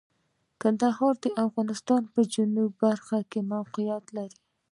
کندهار د افغانستان په جنوبی برخه کې موقعیت لري.